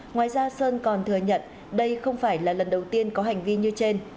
ngoài ra sơn còn thừa nhận đây không phải là lần đầu tiên có hành vi như trên